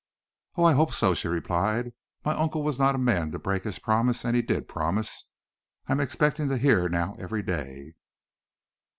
"Oh, I hope so!" she replied. "My uncle was not a man to break his promise, and he did promise. I am expecting to hear now every day."